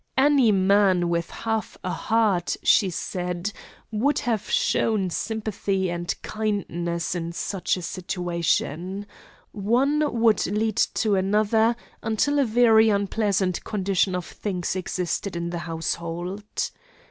Any man with half a heart, she said, would have shown sympathy and kindness in such a situation. One word led to another, until a very unpleasant condition of things existed in the household.